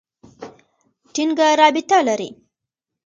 ټینګه رابطه لري.